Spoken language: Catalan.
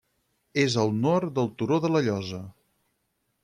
És al nord del Turó de la Llosa.